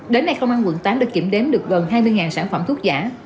đến nay công an quận tám đã kiểm đếm được gần hai mươi sản phẩm thuốc giả